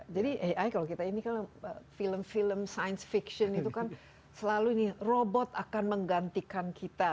jadi ai kalau kita ini kan film film science fiction itu kan selalu ini robot akan menggantikan kita